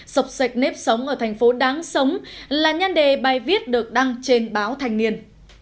sọc sạch nếp sống ở thành phố đáng sống là nhan đề bài viết được đăng trên báo thanh niên